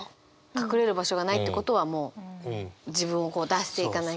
隠れる場所がないってことはもう自分を出していかなきゃいけない。